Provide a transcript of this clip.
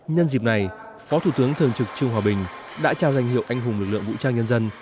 nhân dịp này phó thủ tướng thường trực trương hòa bình đã trao danh hiệu anh hùng lực lượng vũ trang nhân dân